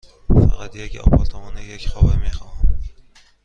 فقط یک آپارتمان یک خوابه می خواهم.